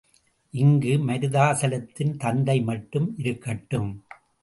இங்கு மருதாசலத்தின் தந்தை மட்டும் இருக்கட்டும்.